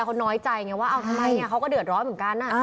คนน้อยใจว่าเขาก็เดือดร้อยเหมือนกัน